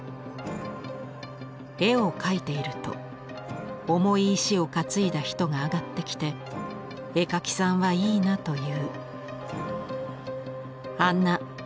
絵を描いていると重い石を担いだ人が上がってきて「絵描きさんはいいな」という。